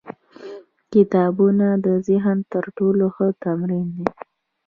کتابونه د ذهن تر ټولو ښه تمرین دی.